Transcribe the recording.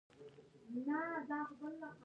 چین صادراتي توکو کې لومړی دی.